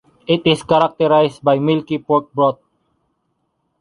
It is characterized by milky pork broth.